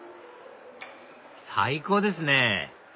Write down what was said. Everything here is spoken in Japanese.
最高ですね